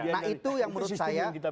nah itu yang menurut saya